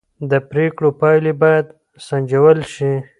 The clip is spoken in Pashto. د پرېکړو پایلې باید سنجول شي